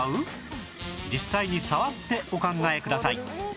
実際に触ってお考えください